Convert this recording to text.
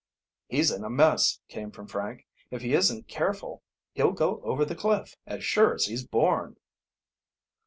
"He's in a mess," came from Frank. "If he isn't careful he'll go over the cliff, as sure as he's born!"